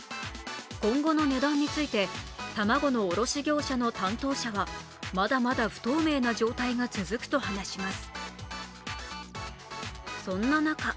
今後の値段について卵の卸業者の担当者はまだまだ不透明な状態が続くとしています。